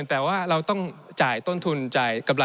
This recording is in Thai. ในช่วงที่สุดในรอบ๑๖ปี